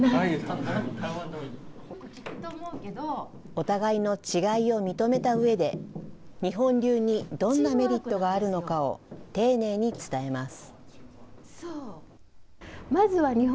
お互いの違いを認めたうえで、日本流にどんなメリットがあるのかを、丁寧に伝えます。